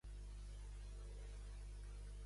El seu fill Joel Osteen el va succeir com a pastor.